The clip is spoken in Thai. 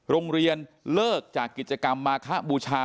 โรงเรียนเลิกจากกิจกรรมมาคะบูชา